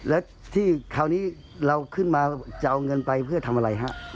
แล้วที่คราวนี้เราขึ้นมาจะเอาเงินไปเพื่อทำอะไรฮะ